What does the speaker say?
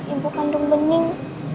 ibu kandung bening